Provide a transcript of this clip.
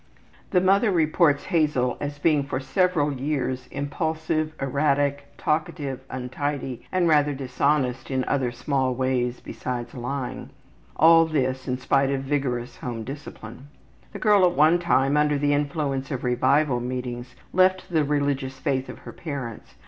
The mother reports Hazel as being for several years impulsive, erratic, talkative, untidy, and rather dishonest in other small ways besides lying all this in spite of vigorous home discipline. The girl at one time under the influence of revival meetings left the religious faith of her parents.